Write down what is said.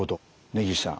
根岸さん